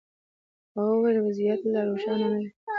هغوی ویل وضعیت لا روښانه نه دی.